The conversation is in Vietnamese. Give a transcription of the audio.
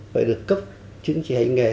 phải được cấp chứng chỉ hành nghề